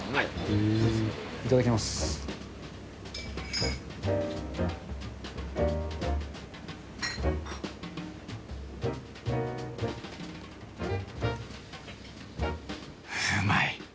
うまい。